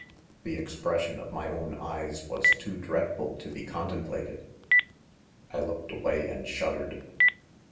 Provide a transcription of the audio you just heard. ■ The expression of my. owe "eyes was too dreadful to be con templated ; I turned away and shuddered.